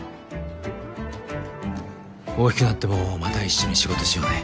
大きくなってもまた一緒に仕事しようね。